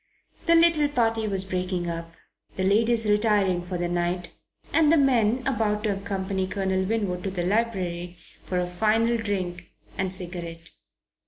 The little party was breaking up, the ladies retiring for the night, and the men about to accompany Colonel Winwood to the library for a final drink and cigarette.